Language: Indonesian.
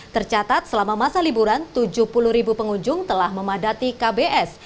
tercatat selama masa liburan tujuh puluh ribu pengunjung telah memadati kbs